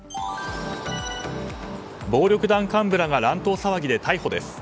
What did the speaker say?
暴力団幹部らが乱闘騒ぎで逮捕です。